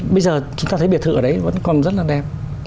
bây giờ chúng ta thấy biệt thự ở đấy vẫn còn rất là đẹp